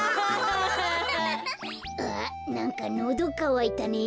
あなんかのどかわいたね。